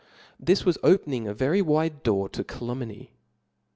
This was opening a very wide door to calumny.